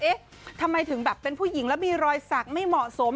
เอ๊ะทำไมถึงแบบเป็นผู้หญิงแล้วมีรอยสักไม่เหมาะสม